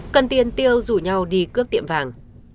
cần tiền tiêu rủ nhau đi cướp tiệm vàng